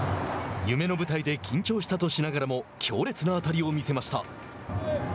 夢の舞台で緊張したとしながらも強烈な当たりを見せました。